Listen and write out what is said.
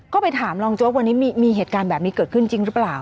ก็ไปถามรองโจ๊กวันนี้มีเหตุการณ์แบบนี้เกิดขึ้นจริงหรือเปล่า